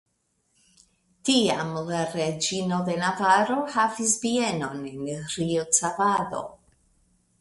Tiam la reĝino de Navaro havis bienon en Riocavado.